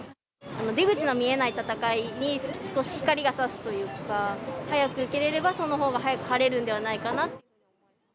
出口の見えない戦いに、少し光がさすというか、早く受けれれば、そのほうが早く晴れるんではないかなと。